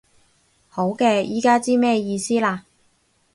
好嘅，依家知咩意思啦